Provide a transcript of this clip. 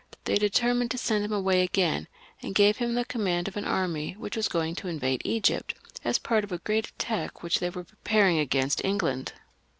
They determined to send him away again, and gave him the command of an army which was going to attack Egypt, as part of a great attack which they were preparing against England.